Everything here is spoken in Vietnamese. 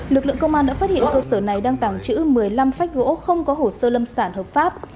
lực lượng công an đã phát hiện cơ sở này đang tàng trữ một mươi năm phách gỗ không có hồ sơ lâm sản hợp pháp